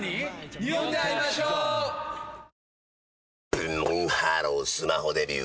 ブンブンハロースマホデビュー！